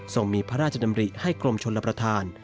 ส่งมีพระราชดำริให้กรมชนรับประทาน